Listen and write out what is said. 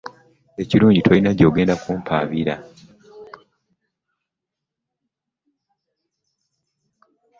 Ekirungi tolina gy'ogenda kumpaabira.